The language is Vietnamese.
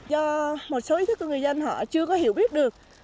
do một số ý thức của người dân họ chưa có hiểu biết được